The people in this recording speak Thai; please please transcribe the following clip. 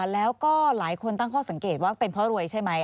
แล้วก็หลายคนตั้งข้อสังเกตว่าเป็นเพราะรวยใช่ไหม